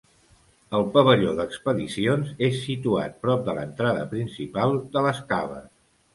El pavelló d'expedicions és situat prop de l'entrada principal de les caves.